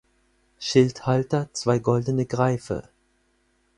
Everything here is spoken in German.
Schildhalter zwei goldene Greife.